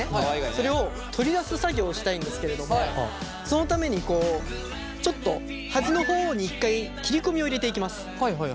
これを取り出す作業をしたいんですけれどもそのためにちょっと端の方に一回切り込みを入れていきます。